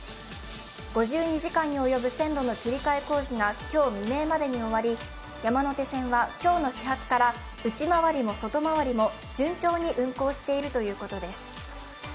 ５２時間に及ぶ線路の切り替え工事が今日未明までに終わり、山手線は今日の始発から内回りも外回りも順調に運行しているということです。